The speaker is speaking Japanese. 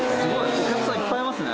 お客さんいっぱいいますね。